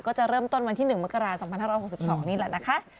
ก็จะเริ่มต้นวันที่๑มกราศ๒๕๖๒นี่แหละนะคะ